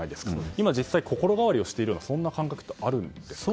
今実際心変わりをしているような感覚はあるのでしょうか。